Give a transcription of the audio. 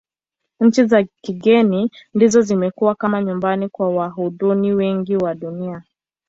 Nchi za kigeni ndizo zimekuwa kama nyumbani kwa Wayahudi wengi wa Dunia.